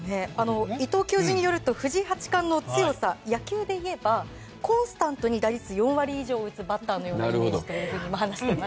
伊藤教授によると藤井八冠の強さは、野球でいえばコンスタントに打率４割以上を打つバッターのようだと話しています。